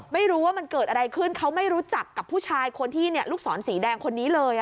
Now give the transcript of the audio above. ไม่รู้ว่ามันเกิดอะไรขึ้นเขาไม่รู้จักกับผู้ชายคนที่ลูกศรสีแดงคนนี้เลย